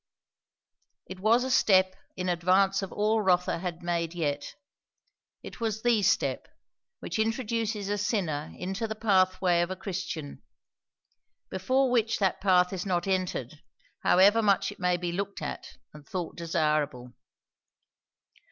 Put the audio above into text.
It was a step in advance of all Rotha had made yet. It was the step, which introduces a sinner into the pathway of a Christian; before which that path is not entered, however much it may be looked at and thought desirable.